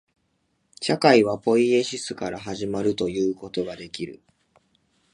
社会はポイエシスから始まるということができる。